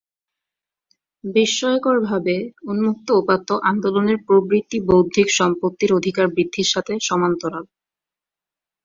বিস্ময়করভাবে, উন্মুক্ত উপাত্ত আন্দোলনের প্রবৃদ্ধি বৌদ্ধিক সম্পত্তির অধিকার বৃদ্ধির সাথে সমান্তরাল।